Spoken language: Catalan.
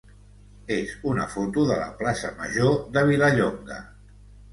és una foto de la plaça major de Vilallonga.